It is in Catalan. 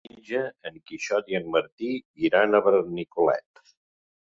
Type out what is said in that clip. Diumenge en Quixot i en Martí iran a Benicolet.